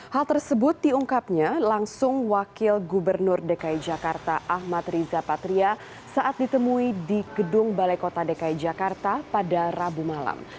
hal tersebut diungkapnya langsung wakil gubernur dki jakarta ahmad riza patria saat ditemui di gedung balai kota dki jakarta pada rabu malam